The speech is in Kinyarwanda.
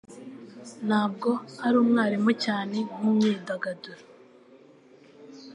Ntabwo ari umwarimu cyane nkimyidagaduro.